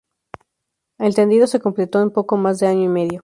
El tendido se completó en poco más de año y medio.